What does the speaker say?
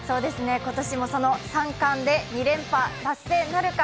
今年も三冠で２連覇達成なるか。